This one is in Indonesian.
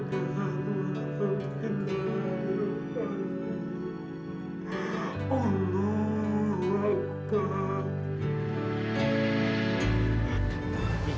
tuhan yang terbaik